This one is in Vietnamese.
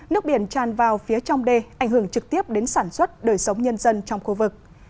nước biển tràn vào phía trong đê ảnh hưởng trực tiếp đến sản xuất đời sống nhân dân trong khu vực